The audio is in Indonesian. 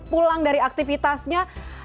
pulang dari aktivitasnya